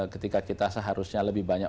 ketika kita seharusnya lebih banyak